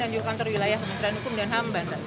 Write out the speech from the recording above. dan juga kantor wilayah bistran hukum dan hamban